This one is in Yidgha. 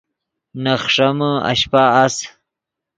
نے خݰیمے اشپہ اَس